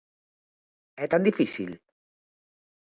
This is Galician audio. ¿É tan difícil?